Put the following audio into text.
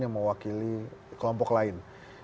yang mewakili kelompok lain